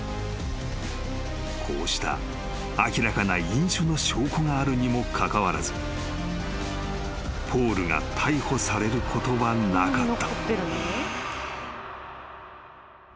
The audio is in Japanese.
［こうした明らかな飲酒の証拠があるにもかかわらずポールが逮捕されることはなかった］